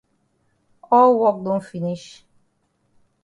All wok don finish.